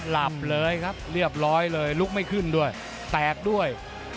หลับเลยครับเรียบร้อยเลยลุกไม่ขึ้นด้วยแตกด้วย